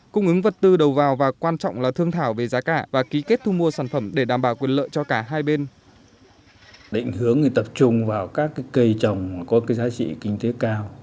cung ứng vật tư đầu vào và ký kết hợp đồng chuyển giao